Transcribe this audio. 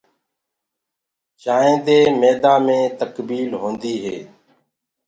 چآنٚينٚ دي ميدآ مي تڪبيل هوندي هي۔